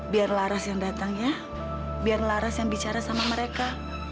biar laras yang datang ya biar laras yang bicara sama mereka